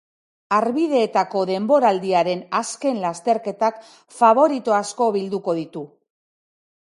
Harbideetako denboraldiaren azken lasterketak faborito asko bilduko ditu.